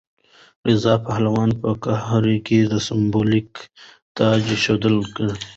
رضا پهلوي په قاهره کې سمبولیک تاجاېښودنه وکړه.